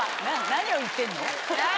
何を言ってんの？